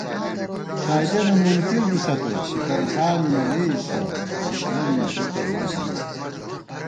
شائیدِیَنہ مُنکِر بِسہ تُوڅُھوٹن ٹھان نہ لېئیسہ دُݭمن بِتہ مارِمېت